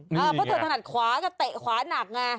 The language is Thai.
เพราะเธอถนัดขวาก็เตะขวาหนักไง